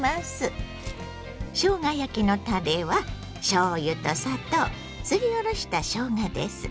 しょうが焼きのたれはしょうゆと砂糖すりおろしたしょうがです。